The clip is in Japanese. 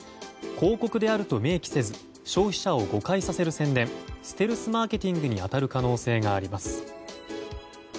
広告であると明記せず消費者を誤解させる宣伝ステルスマーケティングに当たる可能性があります。